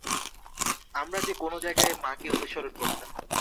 আমরা যে কোন জায়গায় মা কে অনুসরণ করতাম।